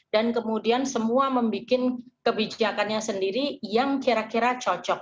dan kemudian semua membuat kebijakannya sendiri yang kira kira cocok